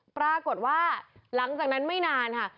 ปรากฏว่าหลังจากนั้นไม่นานค่ะ